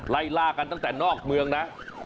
ไล่ล่ากันตั้งแต่นอกเมืองนะ